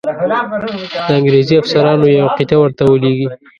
د انګرېزي افسرانو یوه قطعه ورته ولیږي.